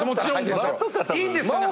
いいんですね？